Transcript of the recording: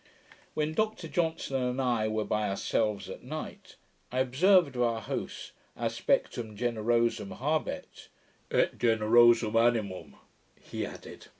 When Dr Johnson and I were by ourselves at night, I observed of our host, 'aspectum generosum habet.' 'Et generosum animum,' he added.